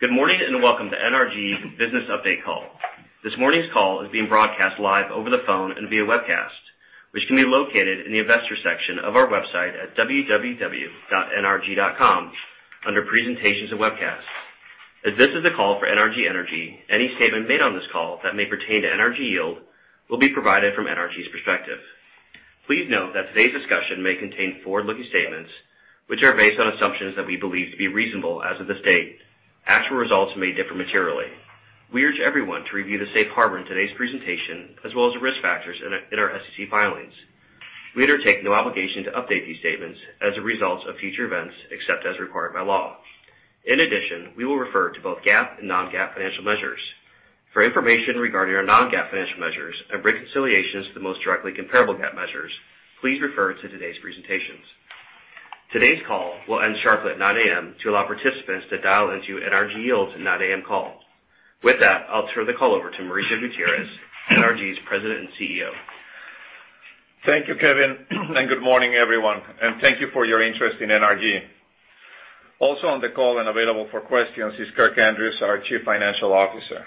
Good morning, welcome to NRG Business Update Call. This morning's call is being broadcast live over the phone and via webcast, which can be located in the investor section of our website at nrg.com under Presentations of Webcasts. As this is a call for NRG Energy, any statement made on this call that may pertain to NRG Yield will be provided from NRG's perspective. Please note that today's discussion may contain forward-looking statements which are based on assumptions that we believe to be reasonable as of this date. Actual results may differ materially. We urge everyone to review the safe harbor in today's presentation, as well as the risk factors in our SEC filings. We undertake no obligation to update these statements as a result of future events, except as required by law. In addition, we will refer to both GAAP and non-GAAP financial measures. For information regarding our non-GAAP financial measures and reconciliations to the most directly comparable GAAP measures, please refer to today's presentations. Today's call will end sharply at 9:00 A.M. to allow participants to dial into NRG Yield's 9:00 A.M. call. With that, I'll turn the call over to Mauricio Gutierrez, NRG's President and CEO. Thank you, Kevin, good morning, everyone, thank you for your interest in NRG. Also on the call and available for questions is Kirk Andrews, our Chief Financial Officer.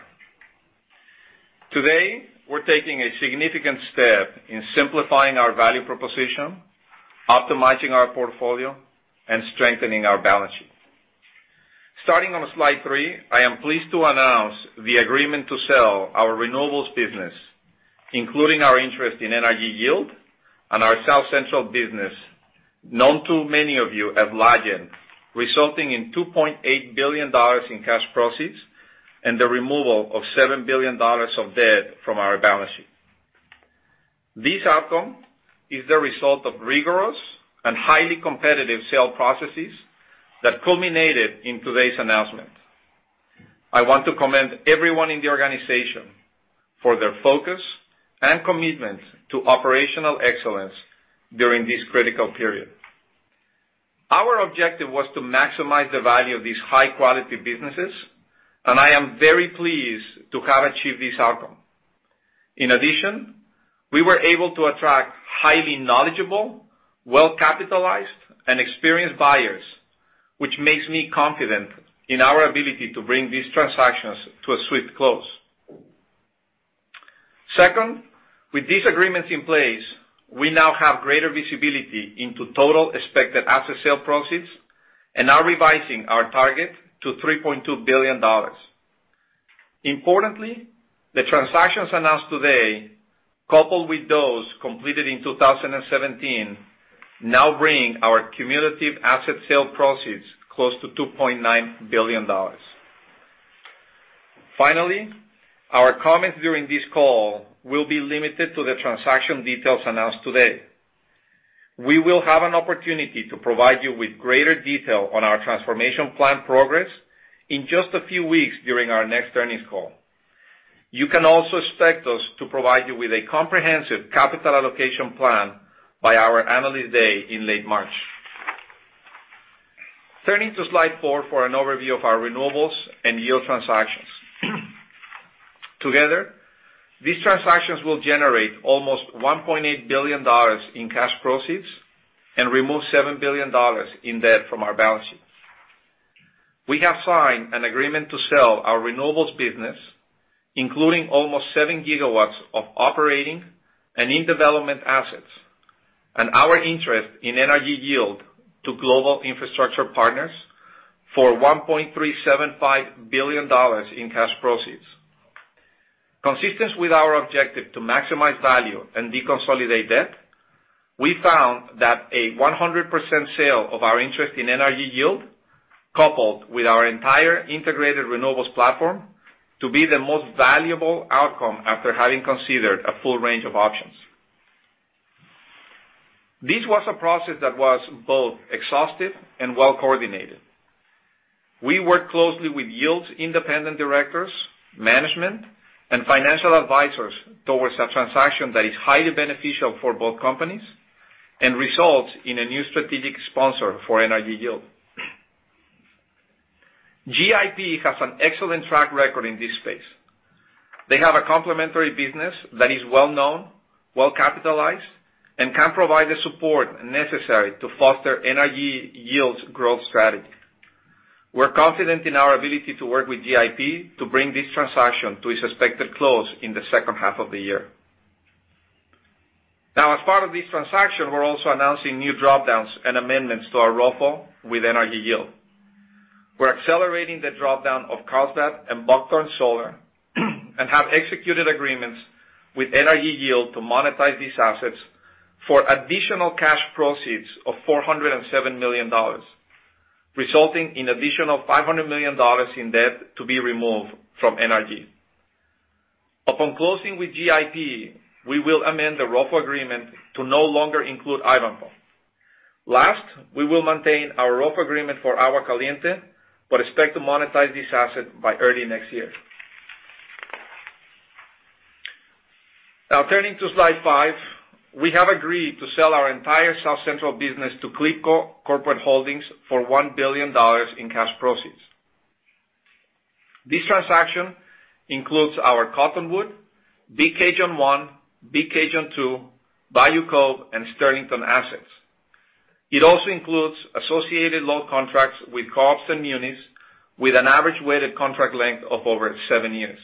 Today, we're taking a significant step in simplifying our value proposition, optimizing our portfolio, and strengthening our balance sheet. Starting on slide three, I am pleased to announce the agreement to sell our renewables business, including our interest in NRG Yield and our South Central business, known to many of you as Louisiana Generating, resulting in $2.8 billion in cash proceeds and the removal of $7 billion of debt from our balance sheet. This outcome is the result of rigorous and highly competitive sale processes that culminated in today's announcement. I want to commend everyone in the organization for their focus and commitment to operational excellence during this critical period. Our objective was to maximize the value of these high-quality businesses, I am very pleased to have achieved this outcome. In addition, we were able to attract highly knowledgeable, well-capitalized, and experienced buyers, which makes me confident in our ability to bring these transactions to a swift close. Second, with these agreements in place, we now have greater visibility into total expected asset sale proceeds and are revising our target to $3.2 billion. Importantly, the transactions announced today, coupled with those completed in 2017, now bring our cumulative asset sale proceeds close to $2.9 billion. Finally, our comments during this call will be limited to the transaction details announced today. We will have an opportunity to provide you with greater detail on our transformation plan progress in just a few weeks during our next earnings call. You can also expect us to provide you with a comprehensive capital allocation plan by our Analyst Day in late March. Turning to slide four for an overview of our renewables and yield transactions. Together, these transactions will generate almost $1.8 billion in cash proceeds and remove $7 billion in debt from our balance sheet. We have signed an agreement to sell our renewables business, including almost 7 gigawatts of operating and in-development assets, and our interest in NRG Yield to Global Infrastructure Partners for $1.375 billion in cash proceeds. Consistent with our objective to maximize value and deconsolidate debt, we found that a 100% sale of our interest in NRG Yield, coupled with our entire integrated renewables platform, to be the most valuable outcome after having considered a full range of options. This was a process that was both exhaustive and well-coordinated. We worked closely with Yield's independent directors, management, and financial advisors towards a transaction that is highly beneficial for both companies and results in a new strategic sponsor for NRG Yield. GIP has an excellent track record in this space. They have a complementary business that is well-known, well-capitalized, and can provide the support necessary to foster NRG Yield's growth strategy. We're confident in our ability to work with GIP to bring this transaction to its expected close in the second half of the year. As part of this transaction, we're also announcing new drop-downs and amendments to our ROFO with NRG Yield. We're accelerating the drop-down of Carlsbad and Buckthorn Solar and have executed agreements with NRG Yield to monetize these assets for additional cash proceeds of $407 million, resulting in additional $500 million in debt to be removed from NRG. Upon closing with GIP, we will amend the ROFO agreement to no longer include Ivanpah. Last, we will maintain our ROFO agreement for Agua Caliente, but expect to monetize this asset by early next year. Turning to slide five. We have agreed to sell our entire South Central business to Cleco Corporate Holdings for $1 billion in cash proceeds. This transaction includes our Cottonwood, Big Cajun One, Big Cajun Two, Bayou Cove, and Sterlington assets. It also includes associated load contracts with co-ops and munis, with an average weighted contract length of over 7 years.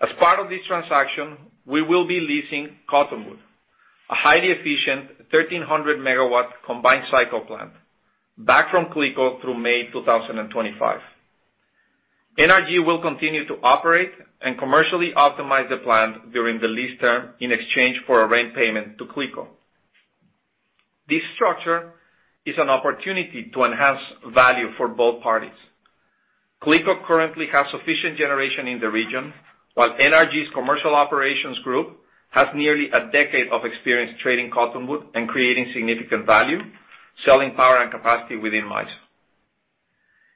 As part of this transaction, we will be leasing Cottonwood, a highly efficient 1,300-megawatt combined cycle plant, back from Cleco through May 2025. NRG will continue to operate and commercially optimize the plant during the lease term in exchange for a rent payment to Cleco. This structure is an opportunity to enhance value for both parties. Cleco currently has sufficient generation in the region, while NRG's commercial operations group has nearly a decade of experience trading Cottonwood and creating significant value, selling power and capacity within MISO.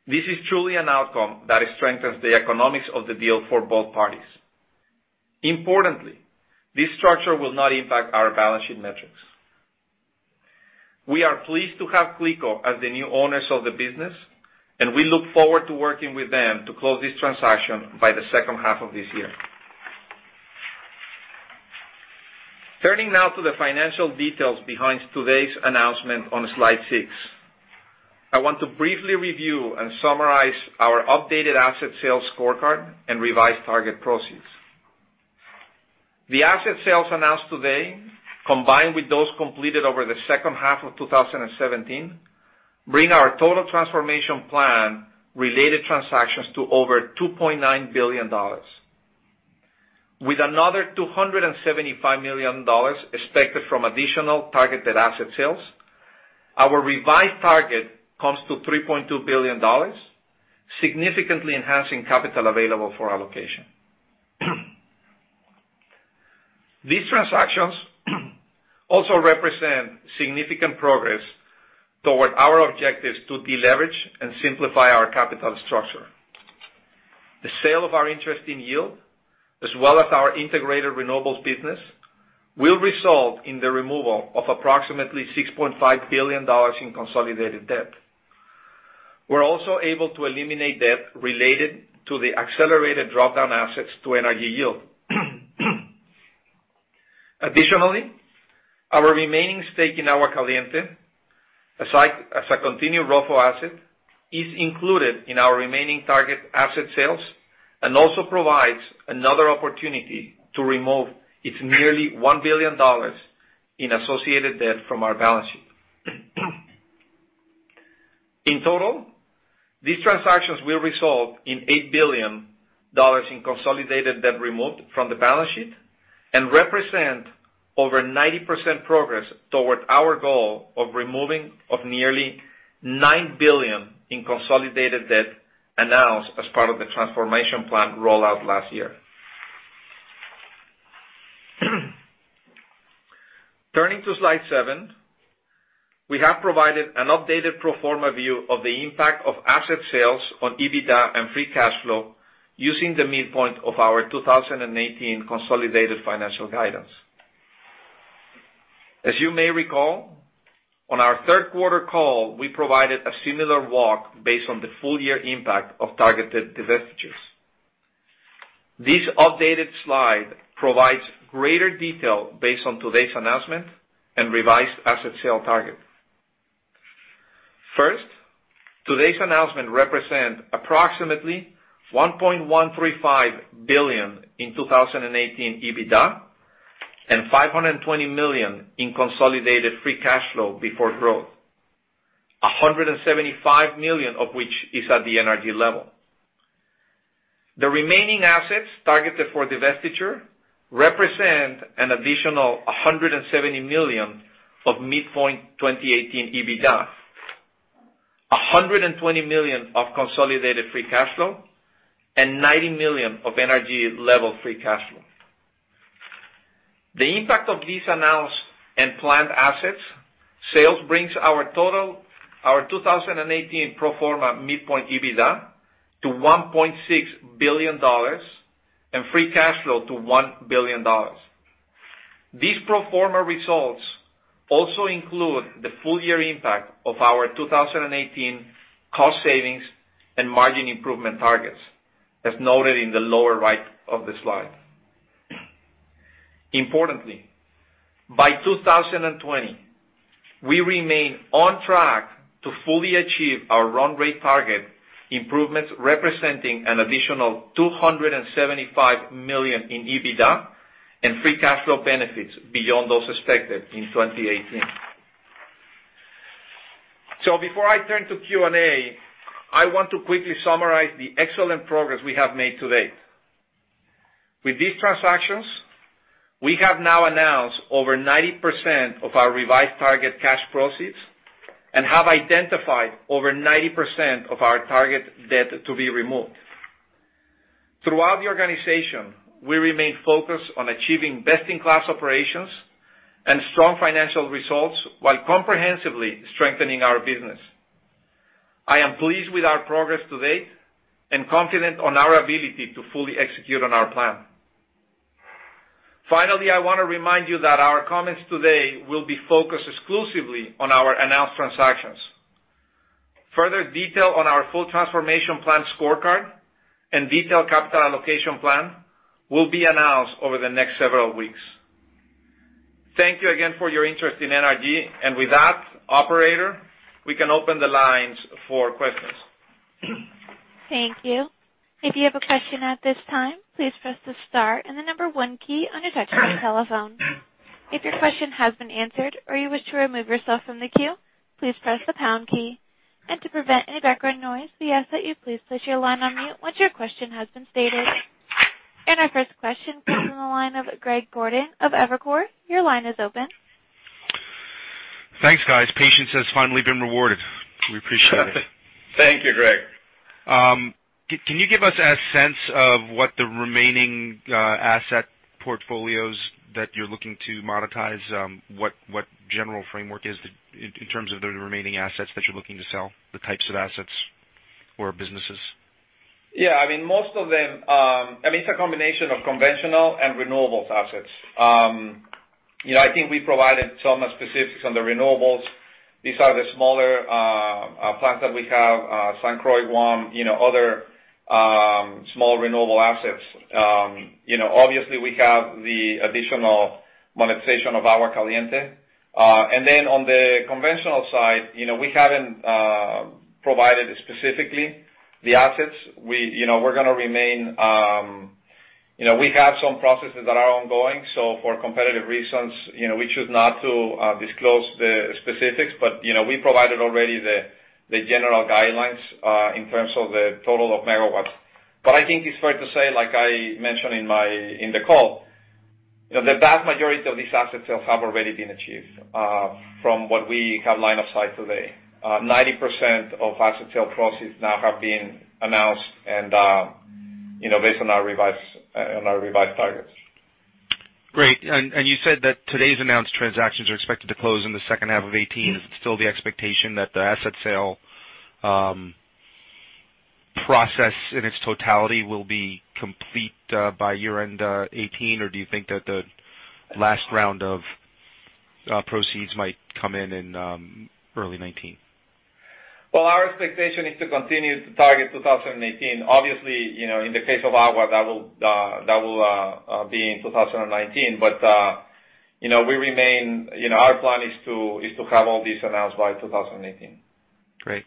This is truly an outcome that strengthens the economics of the deal for both parties. Importantly, this structure will not impact our balance sheet metrics. We are pleased to have Cleco as the new owners of the business, and we look forward to working with them to close this transaction by the second half of this year. Turning now to the financial details behind today's announcement on slide six. I want to briefly review and summarize our updated asset sales scorecard and revised target proceeds. The asset sales announced today, combined with those completed over the second half of 2017, bring our total transformation plan-related transactions to over $2.9 billion. With another $275 million expected from additional targeted asset sales, our revised target comes to $3.2 billion, significantly enhancing capital available for allocation. These transactions also represent significant progress toward our objectives to deleverage and simplify our capital structure. The sale of our interest in Yield, as well as our integrated renewables business, will result in the removal of approximately $6.5 billion in consolidated debt. We're also able to eliminate debt related to the accelerated drop-down assets to NRG Yield. Additionally, our remaining stake in Agua Caliente, as a continued ROFO asset, is included in our remaining target asset sales and also provides another opportunity to remove its nearly $1 billion in associated debt from our balance sheet. In total, these transactions will result in $8 billion in consolidated debt removed from the balance sheet and represent over 90% progress toward our goal of removing of nearly $9 billion in consolidated debt announced as part of the transformation plan rollout last year. Turning to slide seven, we have provided an updated pro forma view of the impact of asset sales on EBITDA and free cash flow using the midpoint of our 2018 consolidated financial guidance. As you may recall, on our third-quarter call, we provided a similar walk based on the full-year impact of targeted divestitures. This updated slide provides greater detail based on today's announcement and revised asset sale target. First, today's announcement represent approximately $1.135 billion in 2018 EBITDA and $520 million in consolidated free cash flow before growth, $175 million of which is at the NRG level. The remaining assets targeted for divestiture represent an additional $170 million of midpoint 2018 EBITDA, $120 million of consolidated free cash flow, and $90 million of NRG level free cash flow. The impact of these announced and planned assets sales brings our 2018 pro forma midpoint EBITDA to $1.6 billion and free cash flow to $1 billion. These pro forma results also include the full-year impact of our 2018 cost savings and margin improvement targets, as noted in the lower right of the slide. Importantly, by 2020, we remain on track to fully achieve our run rate target improvements, representing an additional $275 million in EBITDA and free cash flow benefits beyond those expected in 2018. Before I turn to Q&A, I want to quickly summarize the excellent progress we have made to date. With these transactions, we have now announced over 90% of our revised target cash proceeds and have identified over 90% of our target debt to be removed. Throughout the organization, we remain focused on achieving best-in-class operations and strong financial results while comprehensively strengthening our business. I am pleased with our progress to date and confident on our ability to fully execute on our plan. Finally, I want to remind you that our comments today will be focused exclusively on our announced transactions. Further detail on our full transformation plan scorecard and detailed capital allocation plan will be announced over the next several weeks. Thank you again for your interest in NRG. With that, operator, we can open the lines for questions. Thank you. If you have a question at this time, please press the star and the number one key on your touchtone telephone. If your question has been answered or you wish to remove yourself from the queue, please press the pound key. To prevent any background noise, we ask that you please place your line on mute once your question has been stated. Our first question comes from the line of Greg Gordon of Evercore. Your line is open. Thanks, guys. Patience has finally been rewarded. We appreciate it. Thank you, Greg. Can you give us a sense of what the remaining asset portfolios that you're looking to monetize, what general framework is, in terms of the remaining assets that you're looking to sell, the types of assets or businesses? Yeah. It's a combination of conventional and renewables assets. I think we provided some specifics on the renewables. These are the smaller plants that we have, St. Croix One, other small renewable assets. Obviously we have the additional monetization of Agua Caliente. On the conventional side, we haven't provided specifically the assets. We have some processes that are ongoing, for competitive reasons, we choose not to disclose the specifics. We provided already the general guidelines, in terms of the total of megawatts. I think it's fair to say, like I mentioned in the call, the vast majority of these asset sales have already been achieved, from what we have line of sight today. 90% of asset sale proceeds now have been announced and based on our revised targets. Great. You said that today's announced transactions are expected to close in the second half of 2018. Is it still the expectation that the asset sale process in its totality will be complete by year-end 2018? Or do you think that the last round of proceeds might come in in early 2019? Well, our expectation is to continue to target 2018. Obviously, in the case of Agua, that will be in 2019. Our plan is to have all these announced by 2018. Great.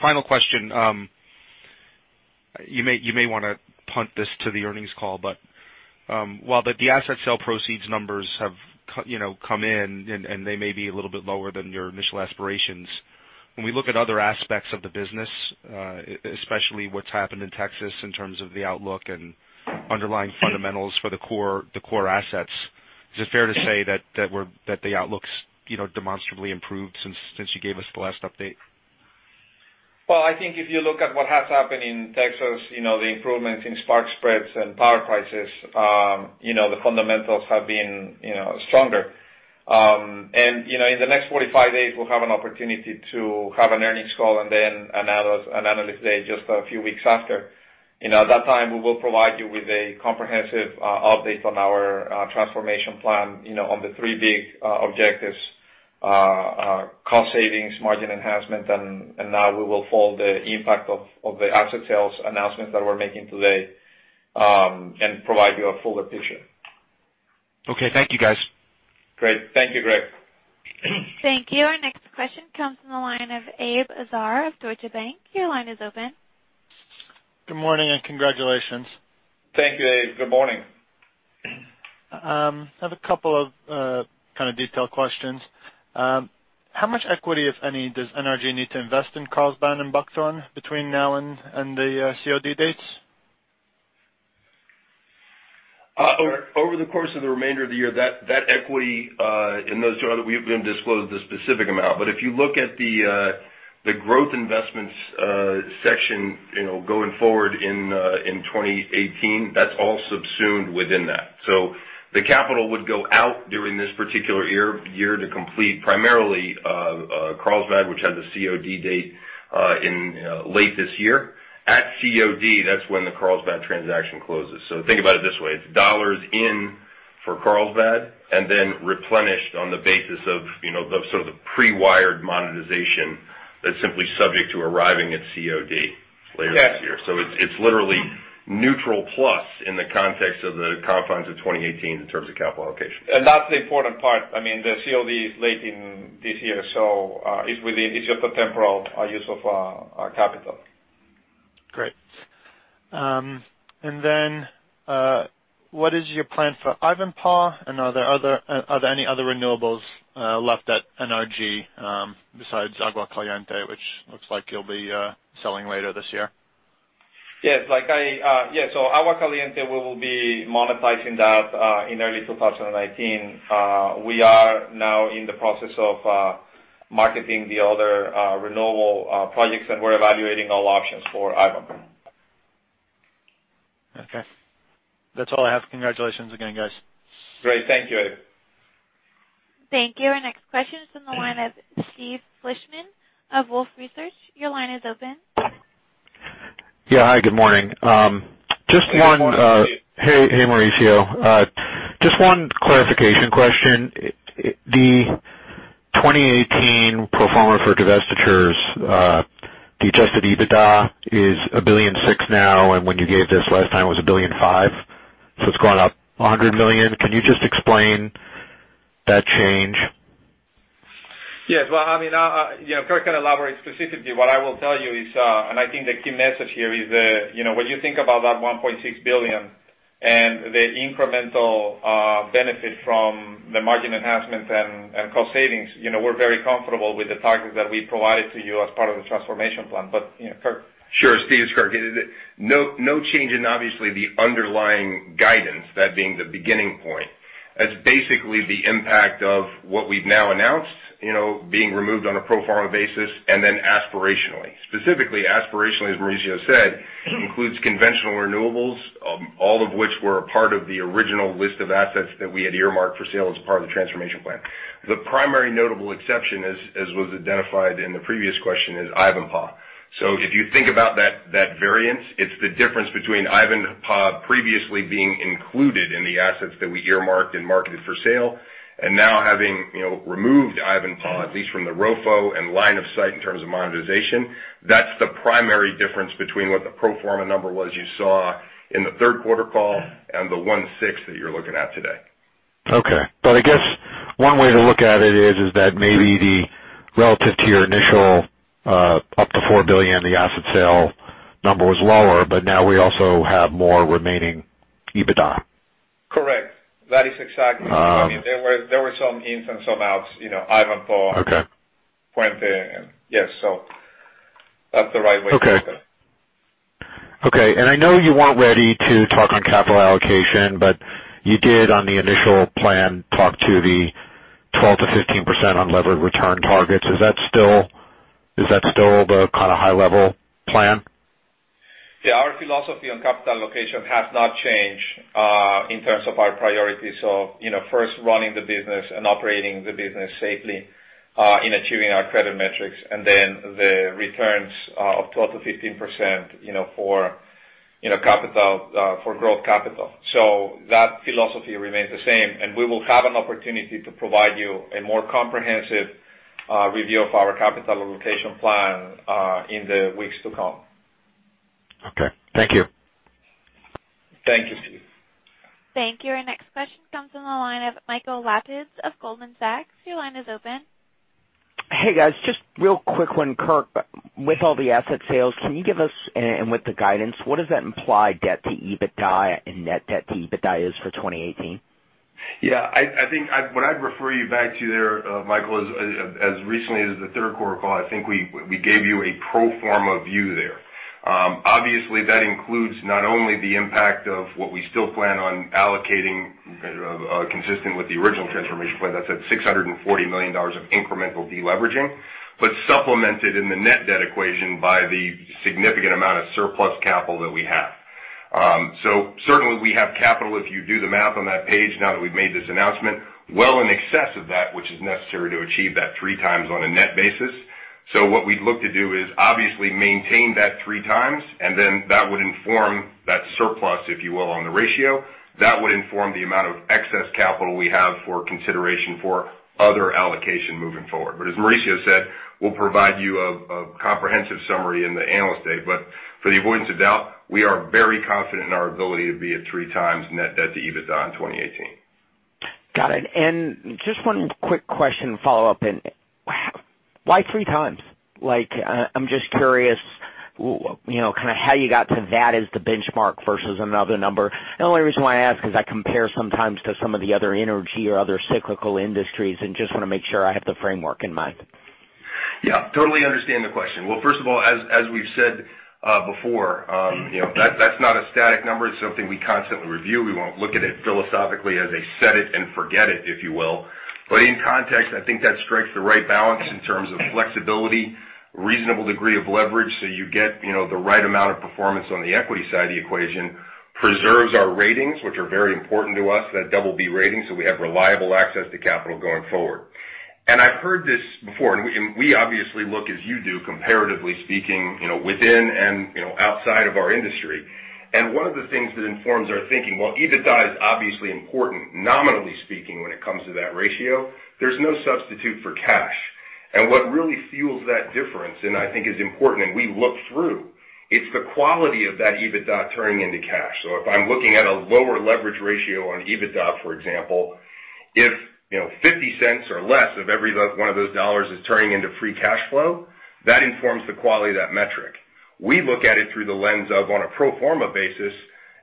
Final question. You may want to punt this to the earnings call. While the asset sale proceeds numbers have come in and they may be a little bit lower than your initial aspirations, when we look at other aspects of the business, especially what's happened in Texas in terms of the outlook and underlying fundamentals for the core assets, is it fair to say that the outlook's demonstrably improved since you gave us the last update? Well, I think if you look at what has happened in Texas, the improvements in spark spreads and power prices, the fundamentals have been stronger. In the next 45 days, we'll have an opportunity to have an earnings call and then an analyst day just a few weeks after. At that time, we will provide you with a comprehensive update on our transformation plan on the three big objectives: cost savings, margin enhancement. Now we will fold the impact of the asset sales announcements that we're making today, and provide you a fuller picture. Okay. Thank you, guys. Great. Thank you, Greg. Thank you. Our next question comes from the line of Abe Azar of Deutsche Bank. Your line is open. Good morning. Congratulations. Thank you, Abe. Good morning. I have a couple of kind of detailed questions. How much equity, if any, does NRG need to invest in Carlsbad and Buckthorn between now and the COD dates? Over the course of the remainder of the year, that equity, those are we haven't disclosed the specific amount, but if you look at the growth investments section going forward in 2018, that's all subsumed within that. The capital would go out during this particular year to complete primarily Carlsbad, which has a COD date in late this year. At COD, that's when the Carlsbad transaction closes. Think about it this way, it's dollars in for Carlsbad, then replenished on the basis of the pre-wired monetization that's simply subject to arriving at COD later this year. Yeah. It's literally neutral plus in the context of the confines of 2018 in terms of capital allocation. That's the important part. The COD is late in this year, it's just a temporal use of capital. Great. What is your plan for Ivanpah, are there any other renewables left at NRG, besides Agua Caliente, which looks like you'll be selling later this year? Yeah. Agua Caliente, we will be monetizing that, in early 2019. We are now in the process of marketing the other renewable projects, and we're evaluating all options for Ivanpah. Okay. That's all I have. Congratulations again, guys. Great. Thank you, Abe. Thank you. Our next question is from the line of Steve Fleishman of Wolfe Research. Your line is open. Yeah. Hi, good morning. Good morning, Steve. Hey, Mauricio. Just one clarification question. The 2018 pro forma for divestitures, the adjusted EBITDA is $1.6 billion now, and when you gave this last time, it was $1.5 billion, so it's gone up $100 million. Can you just explain that change? Yes. Well, Kirk can elaborate specifically. What I will tell you is, and I think the key message here is, when you think about that $1.6 billion and the incremental benefit from the margin enhancements and cost savings, we're very comfortable with the targets that we provided to you as part of the transformation plan. Kirk? Sure. Steve, it's Kirk. No change in, obviously, the underlying guidance, that being the beginning point. That's basically the impact of what we've now announced, being removed on a pro forma basis, and then aspirationally. Specifically, aspirationally, as Mauricio said, includes conventional renewables. All of which were a part of the original list of assets that we had earmarked for sale as a part of the transformation plan. The primary notable exception, as was identified in the previous question, is Ivanpah. If you think about that variance, it's the difference between Ivanpah previously being included in the assets that we earmarked and marketed for sale, and now having removed Ivanpah, at least from the ROFO and line of sight in terms of monetization. That's the primary difference between what the pro forma number was you saw in the third quarter call and the one six that you're looking at today. Okay. I guess one way to look at it is that maybe the relative to your initial up to $4 billion, the asset sale number was lower, but now we also have more remaining EBITDA. Correct. That is exactly it. There were some ins and some outs. Okay Puente. Yes, that's the right way to look at it. Okay. I know you weren't ready to talk on capital allocation, but you did on the initial plan, talk to the 12%-15% unlevered return targets. Is that still the kind of high level plan? Yeah, our philosophy on capital allocation has not changed, in terms of our priorities of first running the business and operating the business safely, in achieving our credit metrics, and then the returns of 12%-15% for growth capital. That philosophy remains the same, and we will have an opportunity to provide you a more comprehensive review of our capital allocation plan in the weeks to come. Okay. Thank you. Thank you, Steve. Thank you. Our next question comes from the line of Michael Lapides of Goldman Sachs. Your line is open. Hey, guys. Just real quick one, Kirk. With all the asset sales, can you give us, and with the guidance, what does that imply debt to EBITDA and net debt to EBITDA is for 2018? Yeah. What I'd refer you back to there, Michael, as recently as the third quarter call, I think we gave you a pro forma view there. Obviously, that includes not only the impact of what we still plan on allocating, consistent with the original transformation plan, that's at $640 million of incremental deleveraging, but supplemented in the net debt equation by the significant amount of surplus capital that we have. Certainly, we have capital, if you do the math on that page now that we've made this announcement, well in excess of that which is necessary to achieve that three times on a net basis. What we'd look to do is obviously maintain that three times, and then that would inform that surplus, if you will, on the ratio. That would inform the amount of excess capital we have for consideration for other allocation moving forward. As Mauricio said, we'll provide you a comprehensive summary in the analyst day. For the avoidance of doubt, we are very confident in our ability to be at three times net debt to EBITDA in 2018. Got it. Just one quick question to follow up. Why three times? I'm just curious how you got to that as the benchmark versus another number. The only reason why I ask is I compare sometimes to some of the other energy or other cyclical industries and just want to make sure I have the framework in mind. Yeah, totally understand the question. Well, first of all, as we've said before, that's not a static number. It's something we constantly review. We won't look at it philosophically as a set it and forget it, if you will. In context, I think that strikes the right balance in terms of flexibility, reasonable degree of leverage so you get the right amount of performance on the equity side of the equation. Preserves our ratings, which are very important to us, that BB rating, so we have reliable access to capital going forward. I've heard this before, and we obviously look as you do, comparatively speaking, within and outside of our industry. One of the things that informs our thinking, while EBITDA is obviously important, nominally speaking, when it comes to that ratio, there's no substitute for cash. What really fuels that difference, and I think is important, and we look through, it's the quality of that EBITDA turning into cash. If I'm looking at a lower leverage ratio on EBITDA, for example, if $0.50 or less of every one of those dollars is turning into free cash flow, that informs the quality of that metric. We look at it through the lens of, on a pro forma basis,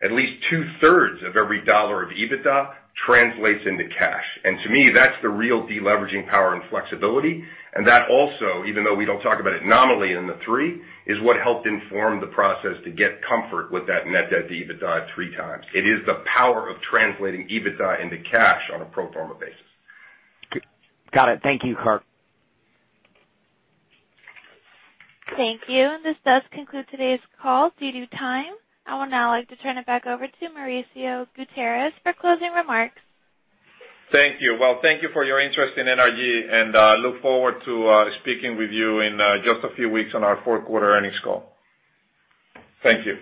at least two-thirds of every dollar of EBITDA translates into cash. To me, that's the real deleveraging power and flexibility. That also, even though we don't talk about it nominally in the three, is what helped inform the process to get comfort with that net debt to EBITDA at three times. It is the power of translating EBITDA into cash on a pro forma basis. Got it. Thank you, Kirk. Thank you. This does conclude today's call. Due to time, I would now like to turn it back over to Mauricio Gutierrez for closing remarks. Thank you. Well, thank you for your interest in NRG, and I look forward to speaking with you in just a few weeks on our fourth quarter earnings call. Thank you.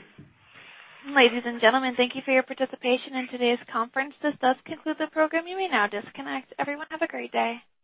Ladies and gentlemen, thank you for your participation in today's conference. This does conclude the program. You may now disconnect. Everyone, have a great day.